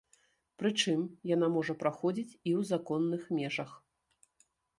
Прычым, яна можа праходзіць і ў законных межах.